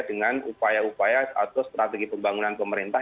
dengan upaya upaya atau strategi pembangunan pemerintah